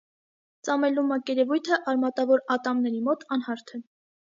Ծամելու մակերևույթը արմատավոր ատամների մոտ անհարթ է։